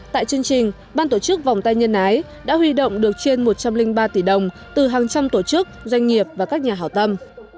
tại chương trình ban tổ chức vòng tay nhân ái đã huy động được trên một trăm linh ba tỷ đồng từ hàng trăm tổ chức doanh nghiệp và các nhà hảo tâm